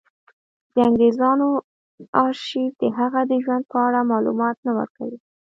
د انګرېزانو ارشیف د هغه د ژوند په اړه معلومات نه ورکوي.